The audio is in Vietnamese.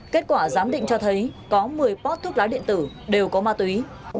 kết quả giám định cho thấy có một mươi pot thuốc lá điện tử đều có ma túy